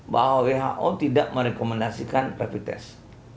bahwa who tidak merekomendasikan rapid test